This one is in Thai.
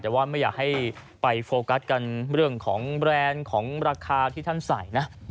แต่ว่าไม่อยากให้ไปโฟกัสกันเรื่องของแบรนด์ของราคาที่ท่านใส่นะ